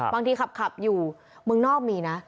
บางทีขับอยู่เมืองนอกมีนะ